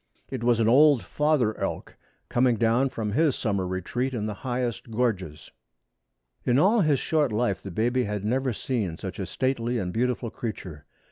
It was an old father elk coming down from his summer retreat in the highest gorges. In all his short life the baby had never seen such a stately and beautiful creature.